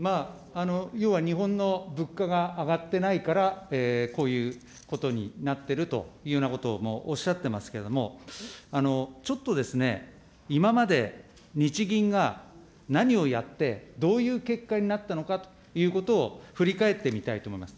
要は日本の物価が上がってないから、こういうことになってるというようなことをおっしゃってますけれども、ちょっとですね、今まで日銀が何をやって、どういう結果になったのかということを振り返ってみたいと思います。